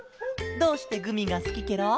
どうしてグミがすきケロ？